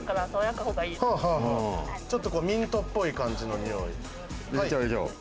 ちょっとミントっぽい感じのにおい。